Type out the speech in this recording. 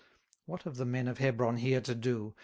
What have the men of Hebron here to do?